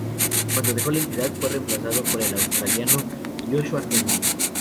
Cuando dejó la entidad, fue reemplazado por el australiano Joshua Kennedy.